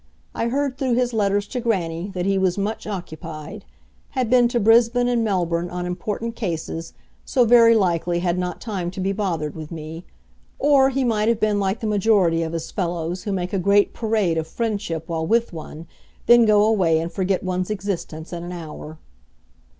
I heard through his letters to grannie that he was much occupied. Had been to Brisbane and Melbourne on important cases, so very likely had not time to be bothered with me; or, he might have been like the majority of his fellows who make a great parade of friendship while with one, then go away and forget one's existence in an hour.